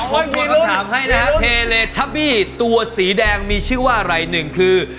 กำช่วยผมเราก็ถามให้นะเทเลทับปีตัวสีแดงมีชื่อว่าอะไรหนึ่งคือ